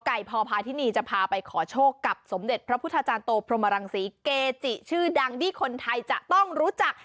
พอพาทินีจะพาไปขอโชคกับสมเด็จพระพุทธาจารย์โตพรหมรังศรีเกจิชื่อดังที่คนไทยจะต้องรู้จัก